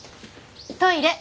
トイレ。